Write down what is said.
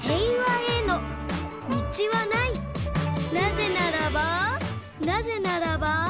「なぜならばなぜならば」